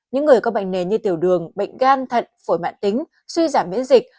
những người có bệnh nền như tiểu đường bệnh gan thận phổi mạng tính suy giảm miễn dịch